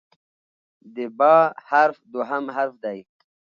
د "ب" حرف دوهم حرف دی.